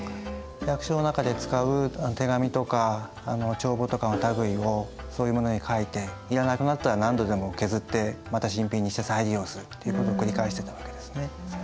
役所の中で使う手紙とか帳簿とかの類いをそういうものに書いていらなくなったら何度でも削ってまた新品にして再利用するっていうことを繰り返してたわけですね。